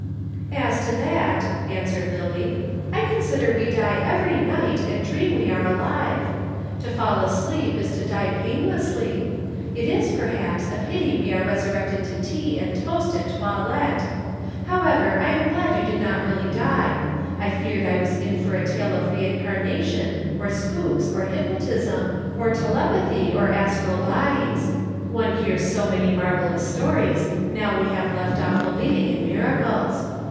"As to that," answered Lillie. "I consider we die every night and dream we are alive. To fall asleep is to die painlessly. It is, perhaps, a pity we are resurrected to tea and toast and toilette. However, I am glad you did not really die. I feared I was in for a tale of re incarnation or spooks or hypnotism or telepathy or astral bodies. One hears so many marvellous stories, now that we have left off believing in miracles.